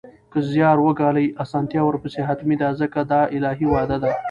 که زیار وګالئ، اسانتیا ورپسې حتمي ده ځکه دا الهي وعده ده